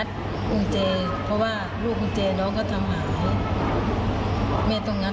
เราก็เลยโดนไปปิดเอง